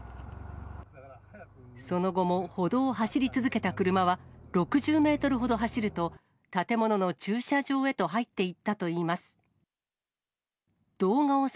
その後も歩道を走り続けた車は、６０メートルほど走ると、建物の駐車場へと入っていったといいます。